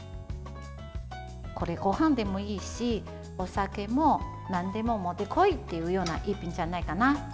これ、ごはんでもいいしお酒もなんでももってこいという一品じゃないかな。